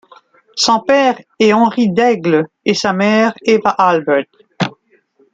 Son père est Henri Daigle et sa mère est Eva Albert.